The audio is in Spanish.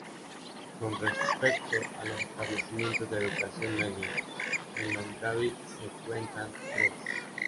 Con respecto a los establecimientos de educación media, en Longaví se cuentan tres.